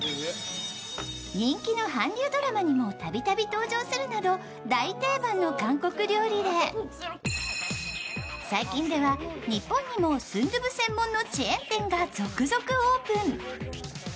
人気の韓流ドラマにもたびたび登場するなど大定番の韓国料理で最近では、日本にもスンドゥブ専門のチェーン店が続々オープン。